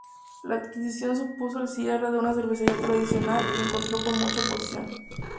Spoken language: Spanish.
La adquisición supuso el cierre de una cervecería tradicional y encontró con mucha oposición.